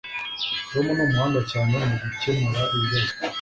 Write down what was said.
Tom ni umuhanga cyane mugukemura ibibazo